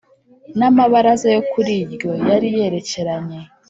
N amabaraza yo kuri ryo yari yerekeranye